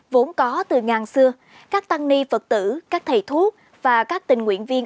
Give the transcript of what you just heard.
vốn có từ ngàn xưa các tăng ni phật tử các thầy thuốc và các tình nguyện viên